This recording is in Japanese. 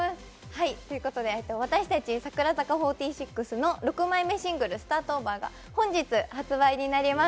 私たち櫻坂４６の６枚目シングル「Ｓｔａｒｔｏｖｅｒ！」が本日発売になります。